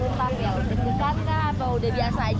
udah dekat kah atau udah biasa aja